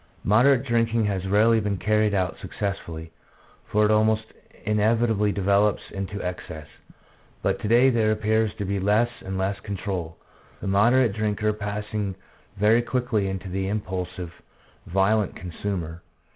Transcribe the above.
Moderate drinking has rarely been carried out successfully, for it almost inevitably develops into excess; but to day there appears to be less and less control, the moderate drinker passing very quickly into the impulsive, violent consumer.